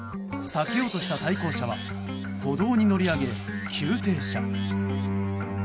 避けようとした対向車は歩道に乗り上げ急停車。